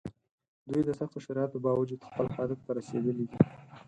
دوی د سختو شرایطو باوجود خپل هدف ته رسېدلي دي.